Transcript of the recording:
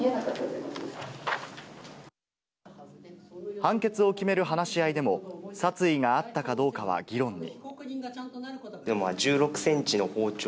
判決を決める話し合いでも殺意があったかどうかが議論に。